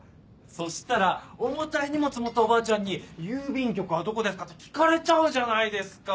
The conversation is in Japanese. そしたら重たい荷物持ったおばあちゃんに「郵便局はどこですか？」って聞かれちゃうじゃないですか。